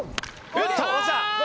打った！